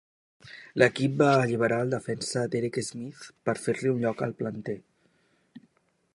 L'equip va alliberar el defensa Derek Smith per fer-li un lloc al planter.